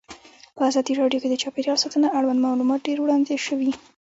په ازادي راډیو کې د چاپیریال ساتنه اړوند معلومات ډېر وړاندې شوي.